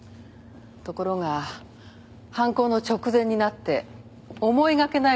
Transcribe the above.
ところが犯行の直前になって思いがけない事が起きたんです。